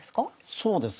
そうですね